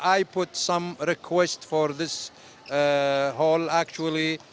kami meminta mereka untuk mengubah lantai ini